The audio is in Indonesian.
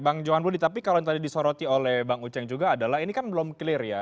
bang johan budi tapi kalau yang tadi disoroti oleh bang uceng juga adalah ini kan belum clear ya